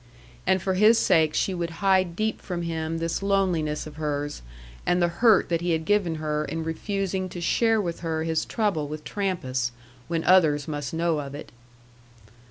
And for his sake she would hide deep from him this loneliness of hers, and the hurt that he had given her in refusing to share with her his trouble with Trampas, when others must know of it.